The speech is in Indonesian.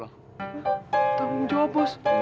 tanggung jawab bos